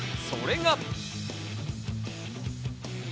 それが。